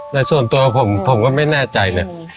แต่ส่วนตัวผมผมก็ไม่แน่ใจเลย